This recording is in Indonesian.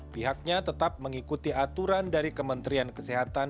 pihaknya tetap mengikuti aturan dari kementerian kesehatan